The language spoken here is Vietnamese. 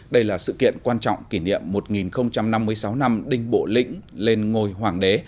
đây là sự kiện quan trọng kỷ niệm một nghìn năm mươi sáu năm đinh bộ lĩnh lên ngồi hoàng đế